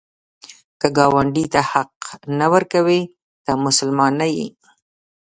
که ګاونډي ته حق نه ورکوې، ته مسلمان نه یې